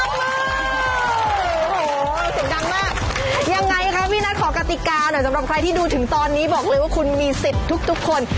โอ้โหเสียงดังมากยังไงคะพี่นัทขอกติกาหน่อยสำหรับใครที่ดูถึงตอนนี้บอกเลยว่าคุณมีสิทธิ์ทุกทุกคน